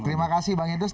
terima kasih bang edus